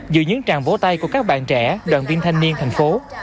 dưới những tràng vỗ tay của các bạn trẻ đoàn viên thanh niên thành phố